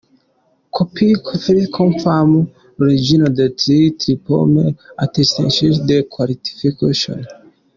copie certifiée conforme à l’original des titres, diplômes, attestations de qualification.